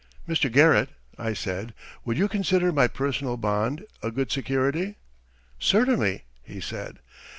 "Mr. Garrett," I said, "would you consider my personal bond a good security?" "Certainly," he said.